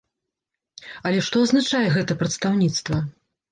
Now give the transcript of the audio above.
Але што азначае гэта прадстаўніцтва?